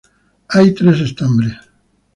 Hay tres estambres.